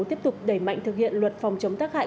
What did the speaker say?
tiếp tục đẩy mạnh thực hiện luật phòng chống tác hại